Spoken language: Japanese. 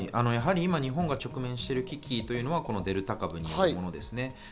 日本が直面している危機というのはこのデルタ株です。